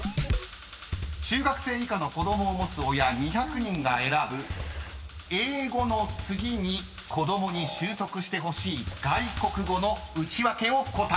［中学生以下の子供を持つ親２００人が選ぶ英語の次に子供に習得してほしい外国語のウチワケを答えろ］